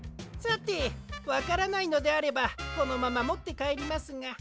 さてわからないのであればこのままもってかえりますが。